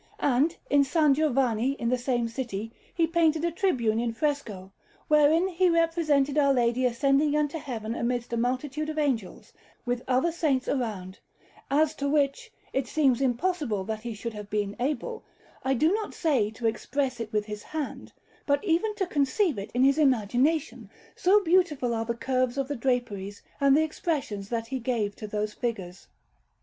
And in S. Giovanni, in the same city, he painted a tribune in fresco, wherein he represented Our Lady ascending into Heaven amidst a multitude of angels, with other saints around; as to which, it seems impossible that he should have been able, I do not say to express it with his hand, but even to conceive it in his imagination, so beautiful are the curves of the draperies and the expressions that he gave to those figures.